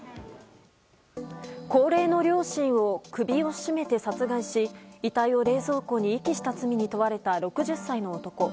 高齢の両親を首を絞めて殺害し遺体を冷蔵庫に遺棄した罪に問われた６０歳の男。